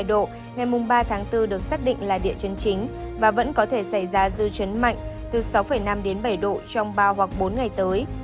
ba độ ngày ba tháng bốn được xác định là địa chấn chính và vẫn có thể xảy ra dư chấn mạnh từ sáu năm đến bảy độ trong ba hoặc bốn ngày tới